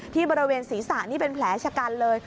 ที่บริเวณศีรษะนี่เป็นแผลชะกันเลย